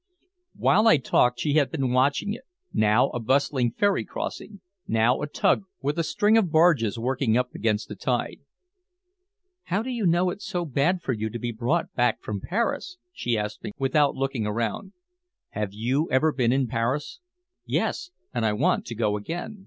While I talked she had been watching it, now a bustling ferry crossing, now a tug with a string of barges working up against the tide. "How do you know it's so bad for you to be brought back from Paris?" she asked me, without looking around. "Have you ever been in Paris?" "Yes and I want to go again.